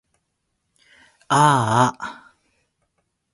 あーあ